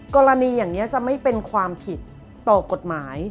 กรณีอย่างนี้จะไม่เป็นความผิดต่อกฎหมาย